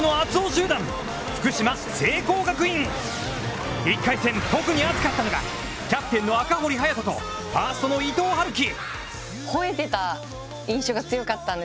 中でも１回戦、特に熱かったのがキャプテンの赤堀颯とファーストの伊藤遥喜！